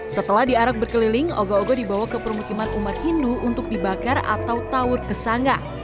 setelah diarak berkeliling ogo ogo dibawa ke permukiman umat hindu untuk dibakar atau tawur kesanga